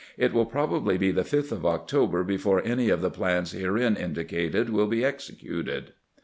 It will probably be the 5th of October before any of the plans herein indicated will be executed.